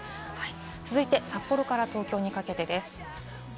続いて札幌から東京にかけてです。